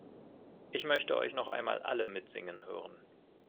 Ich möchte euch noch einmal alle mitsingen hören.